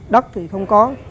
đất thì không có